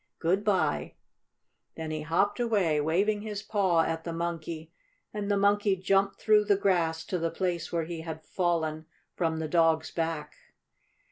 Good bye!" Then he hopped away, waving his paw at the Monkey, and the Monkey jumped through the grass to the place where he had fallen from the dog's back.